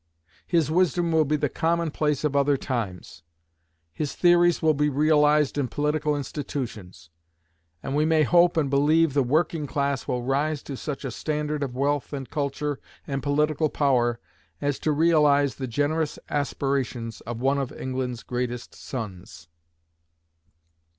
His wisdom will be the commonplace of other times: his theories will be realized in political institutions; and we may hope and believe the working class will rise to such a standard of wealth and culture and political power as to realize the generous aspirations of one of England's greatest sons.